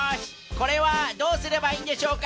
これはどうすればいいんでしょうか？